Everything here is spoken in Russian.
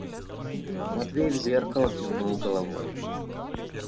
Матвей в зеркало кивнул головой.